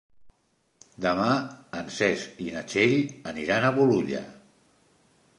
Demà en Cesc i na Txell aniran a Bolulla.